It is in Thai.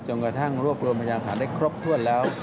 กระทั่งรวบรวมพยานฐานได้ครบถ้วนแล้ว